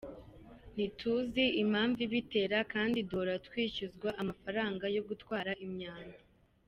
Ntituzi impamvu ibitera kandi duhora twishyuzwa amafaranga yo gutwara imyanda.